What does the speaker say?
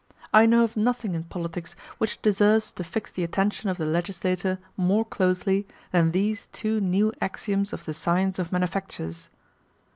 I know of nothing in politics which deserves to fix the attention of the legislator more closely than these two new axioms of the science of manufactures.